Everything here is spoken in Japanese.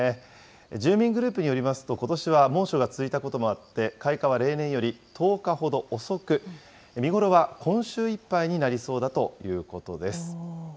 住民グループによりますと、ことしは猛暑が続いたこともあって、開花は例年より１０日ほど遅く、見頃は今週いっぱいになりそうだということです。